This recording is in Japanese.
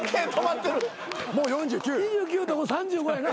２９と３５やな？